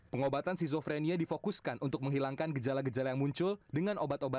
pengobatan skizofrenia difokuskan untuk menghilangkan gejala gejala yang muncul dengan obat obatan